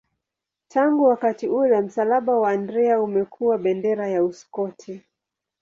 Tangu wakati ule msalaba wa Andrea umekuwa bendera ya Uskoti.